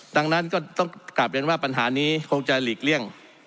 ดังนั้นก็ต้องกลับเรียนว่าปัญหานี้คงจะหลีกเลี่ยง